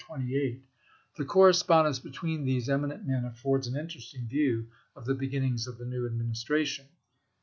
THE PRESIDENT ELECT 261 The correspondence between these eminent men chap.xvi. affords an interesting view of the beginnings of the new Administration.